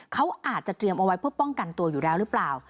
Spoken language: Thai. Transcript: เขาอาจจะเตรียมเอาไว้เพื่อป้องกันตัวอยู่แล้วหรือเปล่า